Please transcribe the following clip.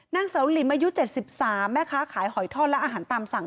นางเสาหลิมอายุ๗๓แม่ค้าขายหอยทอดและอาหารตามสั่ง